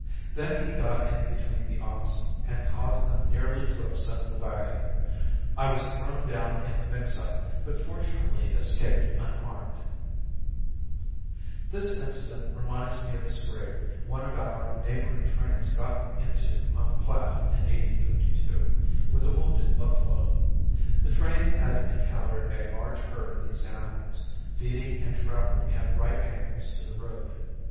Then he got in between the oxen and caused them nearly to upset the wagon. I was thrown down in the mix up, but fortunately escaped unharmed. [Illustration: The monument to the trail at Boise, Idaho.] This incident reminded me of a scrape one of our neighboring trains got into on the Platte in 1852, with a wounded buffalo. The train had encountered a large herd of these animals, feeding and traveling at right angles to the road.